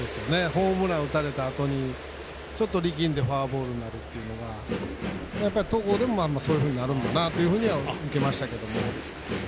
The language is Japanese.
ホームラン打たれたあとにちょっと力んでフォアボールになるというのが戸郷でもそういうふうになるんだなと受けましたけどね。